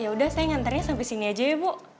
ya udah saya nganternya sampai sini aja ya bu